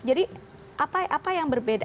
jadi apa yang berbeda